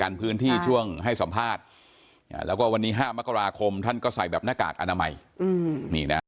กันพื้นที่ช่วงให้สัมภาษณ์แล้วก็วันนี้๕มกราคมท่านก็ใส่แบบหน้ากากอนามัยนี่นะ